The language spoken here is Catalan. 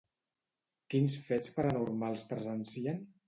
Quins fets paranormals presencien?